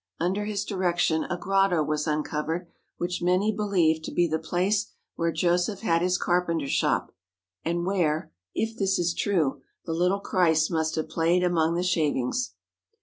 Under his direction a grotto was uncovered which many believe to be the place where Joseph had his carpenter shop, and where, if this is true, the little Christ must have played among the shavings.